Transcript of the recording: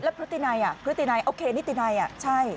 แล้วพฤตินัยโอเคนิตินัยใช่